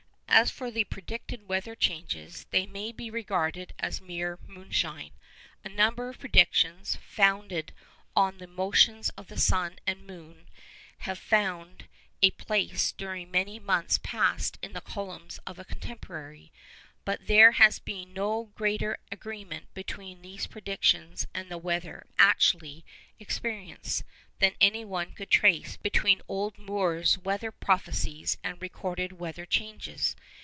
As for the predicted weather changes, they may be regarded as mere moonshine. A number of predictions, founded on the motions of the sun and moon, have found a place during many months past in the columns of a contemporary; but there has been no greater agreement between these predictions and the weather actually experienced than anyone could trace between Old Moore's weather prophecies and recorded weather changes.